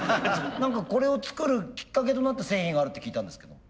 何かこれを作るきっかけとなった製品があるって聞いたんですけども。